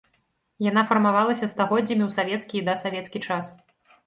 Яна фармавалася стагоддзямі ў савецкі і дасавецкі час.